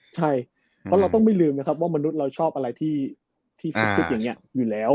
ใช่เพราะเราต้องไม่ลืมนะครับว่ามนุษย์เราชอบอะไรที่สุดอย่างนี้อยู่แล้ว